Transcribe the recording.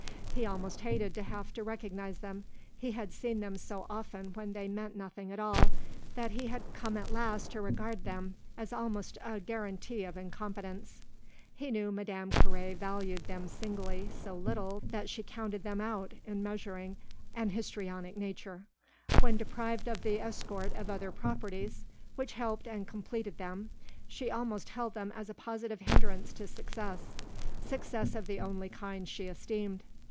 He almost hated to have to recognise them; he had seen them so often when they meant nothing at all that he had come at last to regard them as almost a guarantee of incompetence. He knew Madame Carré valued them singly so little that she counted them out in measuring an histrionic nature; when deprived of the escort of other properties which helped and completed them she almost held them a positive hindrance to success success of the only kind she esteemed.